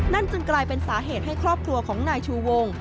นั่นจึงกลายเป็นสาเหตุให้ครอบครัวของนายชูวง